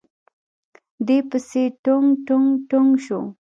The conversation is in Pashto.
دې پسې ټونګ ټونګ ټونګ شو.